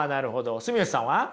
住吉さんは？